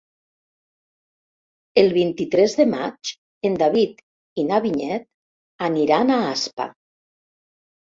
El vint-i-tres de maig en David i na Vinyet aniran a Aspa.